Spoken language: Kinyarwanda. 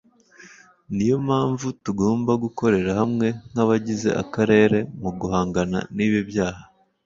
niyo mpamvu tugomba gukorera hamwe nk’abagize akarere mu guhangana n’ibi byaha